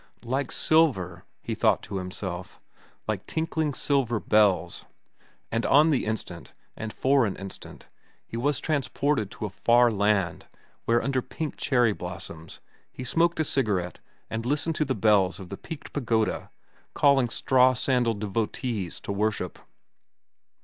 Like silver, he thought to himself, like tinkling silver bells; and on the instant, and for an instant, he was transported to a far land, where under pink cherry blossoms, he smoked a cigarette and listened to the bells of the peaked pagoda calling straw sandalled devotees to worship.